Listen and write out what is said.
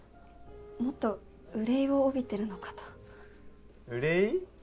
もっと憂いを帯びてるのかと憂い？